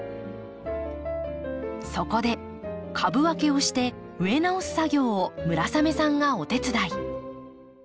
そこで株分けをして植え直す作業を村雨さんがお手伝い。